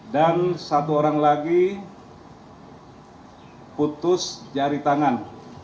dan satu orang lagi putus jari tangan